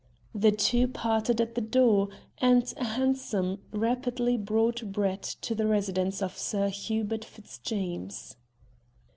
The two parted at the door, and a hansom rapidly brought Brett to the residence of Sir Hubert Fitzjames.